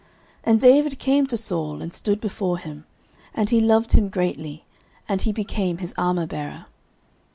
09:016:021 And David came to Saul, and stood before him: and he loved him greatly; and he became his armourbearer.